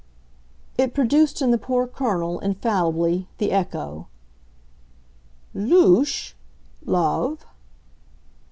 It produced in the poor Colonel, infallibly, the echo. "'Louche,' love